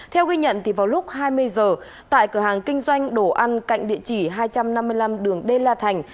theo ghi nhận vào lúc hai mươi giờ tại cửa hàng kinh doanh đồ ăn cạnh địa chỉ hai trăm năm mươi năm đường đê la thành